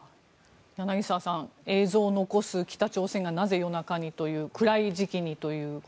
柳澤さん映像を残す北朝鮮がなぜ夜中にという暗い時期にという。